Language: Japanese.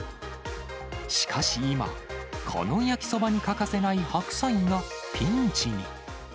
しかし今、この焼きそばに欠かせない白菜がピンチに。